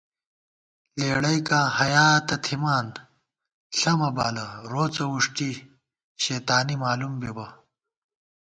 لېڑَئیکاں حیا تہ تھِمان، ݪَمہ بالہ روڅہ ووݭٹی شیتانی مالُوم بِبہ